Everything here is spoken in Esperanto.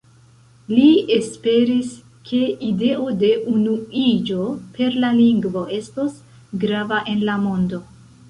Li esperis, ke ideo de unuiĝo per la lingvo estos grava en la mondo.